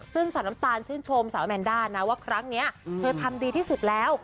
ซึ่งสาวน้ำตาลชื่นชมสาวแมนด้านะว่าครั้งนี้เธอทำดีที่สุดแล้ว